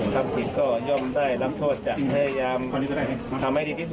ทำผิดก็ย่อมได้รับโทษจะพยายามทำให้ดีที่สุด